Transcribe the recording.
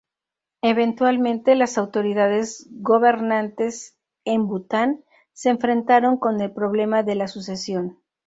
Eventualmente, las autoridades gobernantes en Bután se enfrentaron con el problema de la sucesión.